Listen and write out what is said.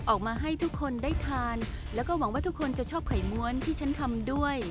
ออกมาให้ทุกคนได้ทานแล้วก็หวังว่าทุกคนจะชอบไข่ม้วนที่ฉันทำด้วย